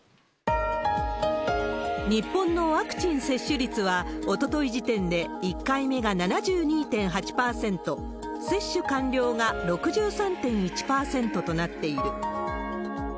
日本のワクチン接種率は、おととい時点で１回目が７２．８％、接種完了が６３．１％となっている。